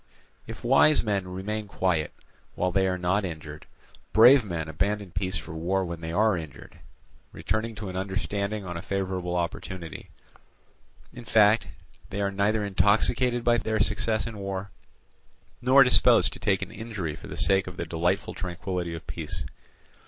If wise men remain quiet, while they are not injured, brave men abandon peace for war when they are injured, returning to an understanding on a favourable opportunity: in fact, they are neither intoxicated by their success in war, nor disposed to take an injury for the sake of the delightful tranquillity of peace.